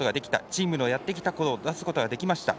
チームのやってきたことを出すことができました。